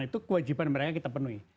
itu kewajiban mereka kita penuhi